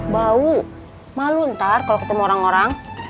bau malu ntar kalau ketemu orang orang